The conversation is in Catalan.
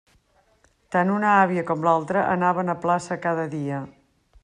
Tant una àvia com l'altra anaven a plaça cada dia.